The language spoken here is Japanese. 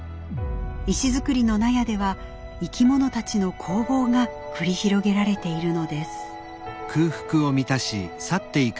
石造りの納屋では生き物たちの攻防が繰り広げられているのです。